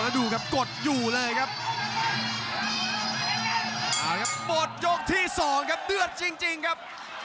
หมดยกที่๒ครับเดือดจริงครับ